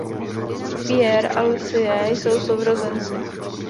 Pierre a Lucie jsou sourozenci.